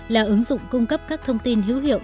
là ứng dụng cung cấp các thông tin hữu hiệu